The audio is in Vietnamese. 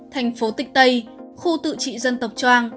thành phố tịch tây khu tự trị dân tộc trang